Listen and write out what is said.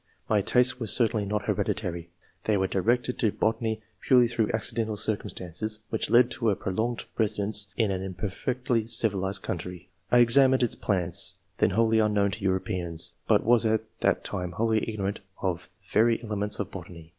My tastes were certainly not hereditary. They were directed to botany purely through accidental circumstances [which led to a prolonged residence in an imper fectly civilized country]. I examined its plants, then wholly unknown to Europeans, but was at that time wholly ignorant of the very elements of botany.